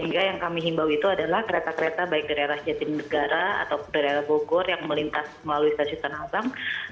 sehingga yang kami himbau itu adalah kereta kereta baik dari arah jatim negara atau dari arah bogor yang melintas melalui stasiun tanah abang